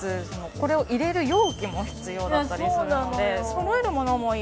これを入れる容器も必要だったりするのでそうなのよ